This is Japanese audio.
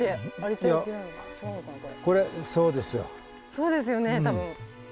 そうですよね多分。